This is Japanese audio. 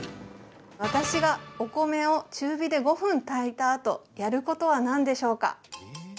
私がお米を中火で５分炊いたあとやることは何でしょうか？